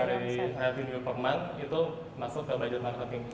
tujuh delapan persen dari revenue per month itu masuk ke budget marketing